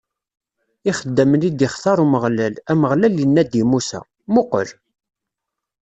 Ixeddamen i d-ixtaṛ Umeɣlal Ameɣlal inna-d i Musa: Muqel!